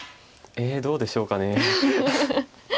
えどうでしょうかね。